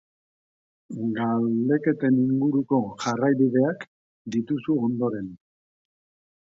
Galdeketen inguruko jarraibideak dituzu ondoren.